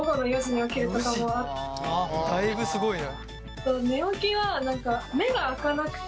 だいぶすごいね。